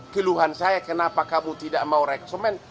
keluhan saya kenapa kamu tidak mau reksumen